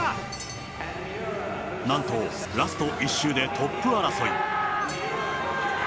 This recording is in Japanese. なんとラスト１周でトップ争い。